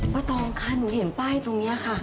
ตองค่ะหนูเห็นป้ายตรงนี้ค่ะ